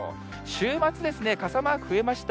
週末ですね、傘マーク増えました。